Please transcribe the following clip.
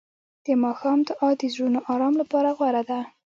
د ماښام دعا د زړونو آرام لپاره غوره ده.